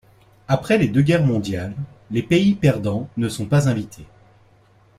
Après les deux guerres mondiales, les pays perdants ne sont pas invités.